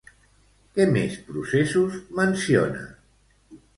Què més processos menciona?